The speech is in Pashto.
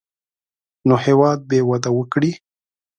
نو هېواد به وده وکړي.